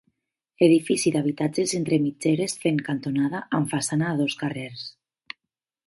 Edifici d'habitatges entre mitgeres fent cantonada, amb façana a dos carrers.